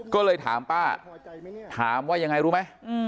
ก็เลยถามป้าถามว่ายังไงรู้ไหม